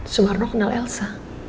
sumarno kenal elsa